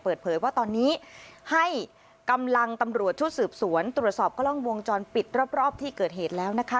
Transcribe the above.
เปิดเผยว่าตอนนี้ให้กำลังตำรวจชุดสืบสวนตรวจสอบกล้องวงจรปิดรอบที่เกิดเหตุแล้วนะคะ